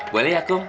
boleh ya aku